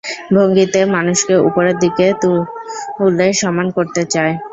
ভক্তিতে মানুষকে উপরের দিকে তুলে সমান করতে চায়।